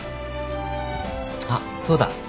あっそうだ。